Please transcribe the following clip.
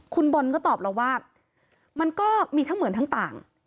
คุณบอลก็ตอบเราว่ามันก็มีทั้งเหมือนทั้งต่าง